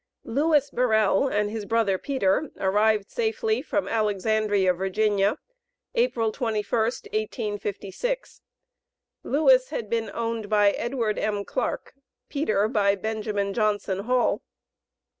Lewis Burrell and his brother Peter arrived safely from Alexandria, Virginia, April 21, 1856. Lewis had been owned by Edward M. Clark, Peter by Benjamin Johnson Hall.